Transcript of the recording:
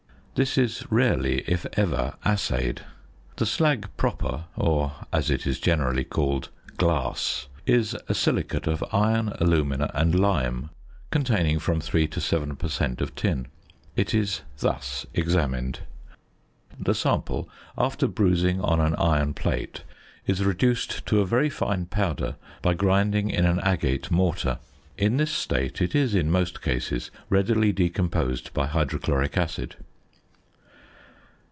This is rarely, if ever, assayed. The slag proper (or, as it is generally called, "glass") is a silicate of iron, alumina, and lime, containing from 3 to 7 per cent. of tin. It is thus examined: The sample after bruising on an iron plate, is reduced to a very fine powder by grinding in an agate mortar. In this state it is in most cases readily decomposed by hydrochloric acid.